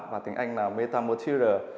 và tiếng anh là metamortizer